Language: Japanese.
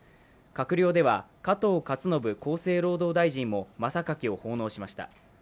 閣僚では、加藤勝信厚生労働大臣もまさかきを奉納しました。